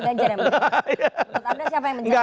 gajar yang menjauh